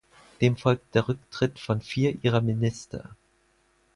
Dem folgte der Rücktritt von vier ihrer Minister.